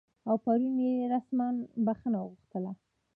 او پرون یې رسما بخښنه وغوښته